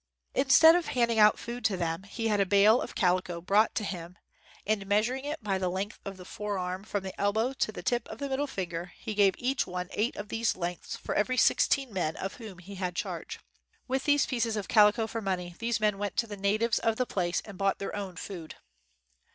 "] Instead of handing out food to them, he had a bale of calico brought to him and, meas uring it by the length of the forearm from the elbow to the tip of the middle finger, he gave each one eight of these lengths for every sixteen men of whom he had charge. 40 AFTER THE NEWS WAS READ "With these pieces of calico for money these men went to the natives of the place and bought their own food.